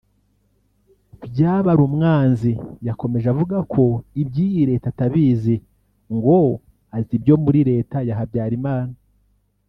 Byabarumwanzi yakomeje avuga ko iby’iyi Leta atabizi ngo azi ibyo muri Leta ya Habyalimana